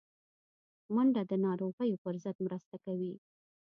منډه د ناروغیو پر ضد مرسته کوي